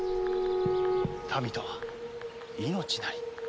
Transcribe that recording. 民とは命なり。